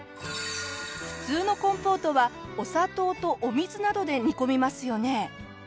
普通のコンポートはお砂糖とお水などで煮込みますよね？